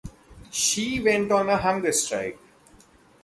She went on a hunger strike.